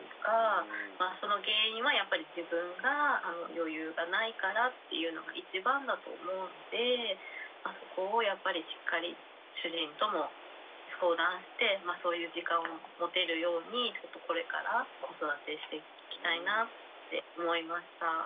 その原因はやっぱり自分が余裕がないからっていうのが一番だと思うのでそこをやっぱりしっかり主人とも相談してまあそういう時間を持てるようにちょっとこれから子育てしていきたいなぁって思いました。